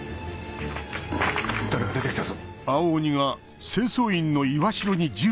誰か出てきたぞ。